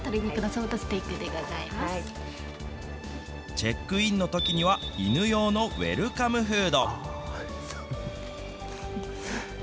チェックインのときには、犬用のウエルカムフード。